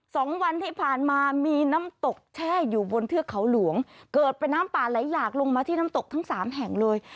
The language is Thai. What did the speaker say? สองวันที่ผ่านมามีน้ำตกแช่อยู่บนเทือกเขาหลวงเกิดเป็นน้ำป่าไหลหลากลงมาที่น้ำตกทั้งสามแห่งเลย